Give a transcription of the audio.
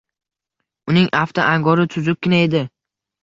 Uning afti angori tuzukkina edi